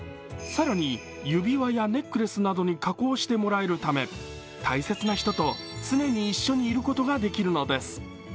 更に指輪やネックレスなどに加工してもらえるため、大切な人と常に一緒にいることができるのです。